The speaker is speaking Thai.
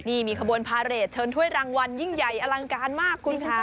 นี่มีขบวนพาเรทเชิญถ้วยรางวัลยิ่งใหญ่อลังการมากคุณค่ะ